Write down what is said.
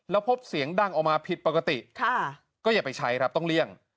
แล้วพบเสียงดังออกมาผิดปกติก็อย่าไปใช้ครับต้องเลี่ยง